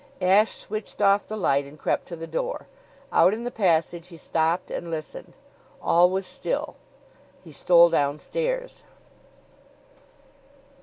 Ashe switched off the light and crept to the door. Out in the passage he stopped and listened. All was still. He stole downstairs.